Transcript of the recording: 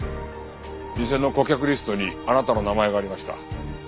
店の顧客リストにあなたの名前がありました。